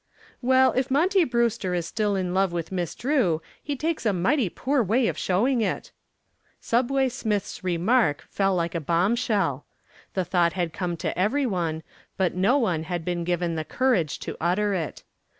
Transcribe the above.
"Well, if Monty Brewster is still in love with Miss Drew he takes a mighty poor way of showing it." "Subway" Smith's remark fell like a bombshell. The thought had come to every one, but no one had been given the courage to utter it.